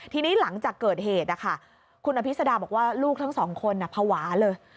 ทีนี้หลังจากเกิดเหตุคุณอภิษดาบอกว่าลูกทั้งสองคนภาวะเลย